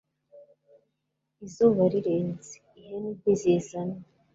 izuba rirenze. ihene ntizizanwa